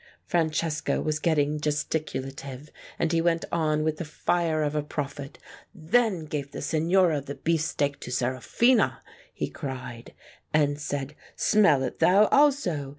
Francesco was getting gesticulative, and he went on with the fire of a prophet. "Then gave the Signora the beefsteak to Sera phina," he cried, "and said ' Smell it thou also.'